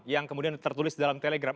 yang kemudian tertulis dalam telegram